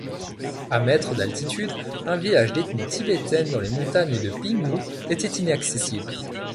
À mètres d'altitude, un village d'ethnie tibétaine dans les montagnes du Pingwu était inaccessible.